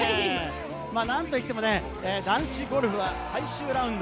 なんといっても男子ゴルフは最終ラウンド。